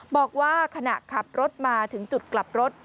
บอกว่าขณะขับรถมาถึงจุดกลับรถ